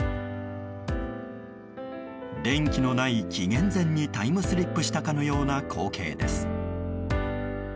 電気のない紀元前にタイムスリップしたかのような光景です。